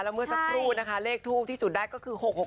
เมื่อสักครู่นะคะเลขทูบที่สุดได้ก็คือ๖๖